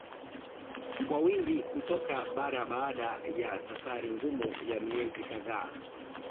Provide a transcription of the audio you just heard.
Kwa wingi kutoka bara baada ya safari ngumu ya miezi kadhaa